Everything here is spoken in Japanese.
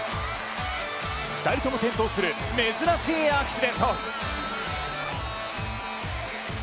２人とも転倒する珍しいアクシデント。